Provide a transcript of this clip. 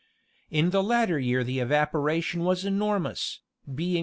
In the latter year the evaporation was enormous, being 47.